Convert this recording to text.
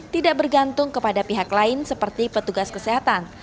tidak bergantung kepada pihak lain seperti petugas kesehatan